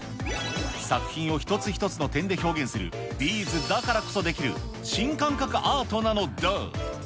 作品を一つ一つの点で表現するビーズだからこそできる新感覚アートなのだ。